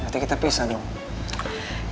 nanti kita pisah dong